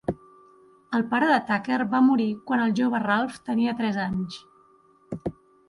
El pare de Tucker va morir quan el jove Ralph tenia tres anys.